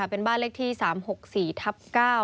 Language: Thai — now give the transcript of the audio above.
เป็นบ้านเลขที่๓๖๔ทับ๙